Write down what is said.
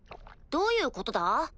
どういうことだ？